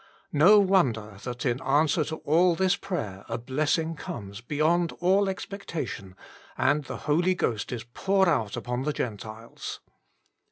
No wonder that in answer to all this prayer a blessing comes beyond all expectation, and the Holy Ghost is poured out upon the Gentiles.